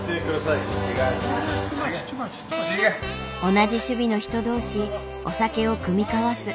同じ趣味の人同士お酒を酌み交わす。